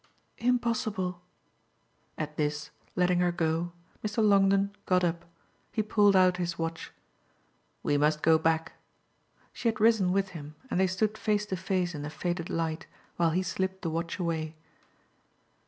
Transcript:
"Impossible." At this, letting her go, Mr. Longden got up; he pulled out his watch. "We must go back." She had risen with him and they stood face to face in the faded light while he slipped the watch away.